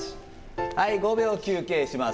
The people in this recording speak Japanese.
はい、５秒休憩します。